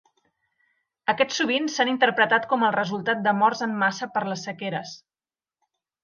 Aquests sovint s'han interpretat com el resultat de morts en massa per les sequeres.